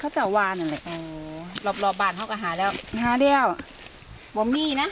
เขาจะว่านั่นแหละอ๋อรอบรอบบ้านเขาก็หาแล้วหาเดียวบ่มนี่นะ